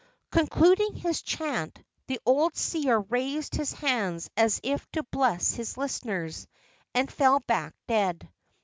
Concluding his chant, the old seer raised his hands as if to bless his listeners, and fell back dead.